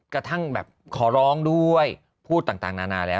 กระทั่งแบบขอร้องด้วยพูดต่างนานาแล้ว